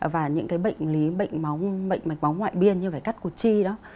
và những cái bệnh lý bệnh mạch máu ngoại biên như phải cắt cụt chi đó